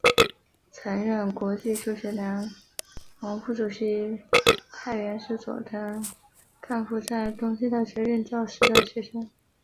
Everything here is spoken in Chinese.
曾任国际数学联盟副主席柏原是佐藤干夫在东京大学任教时的学生。